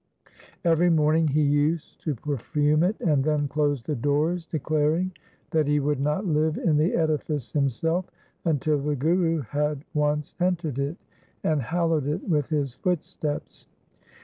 Every morning he used to perfume it and then close the doors, declaring that he would not live in the edifice himself until the Guru had once entered it, and hallowed it with his footsteps.